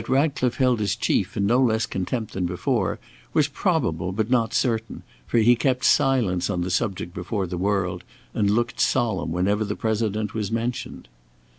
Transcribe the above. That Ratcliffe held his chief in no less contempt than before, was probable but not certain, for he kept silence on the subject before the world, and looked solemn whenever the President was mentioned.